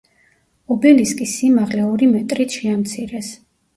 ობელისკის სიმაღლე ორი მეტრით შეამცირეს.